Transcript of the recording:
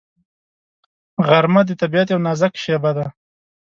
غرمه د طبیعت یو نازک شېبه ده